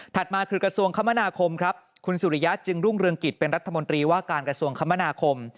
มาคือกระทรวงคมนาคมครับคุณสุริยะจึงรุ่งเรืองกิจเป็นรัฐมนตรีว่าการกระทรวงคมนาคม